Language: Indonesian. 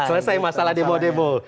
selesai masalah demo demo